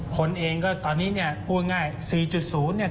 คนเองก็ตอนนี้ปูยง่าย๔๐เนี่ย